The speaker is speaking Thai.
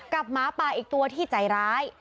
หมาป่าอีกตัวที่ใจร้าย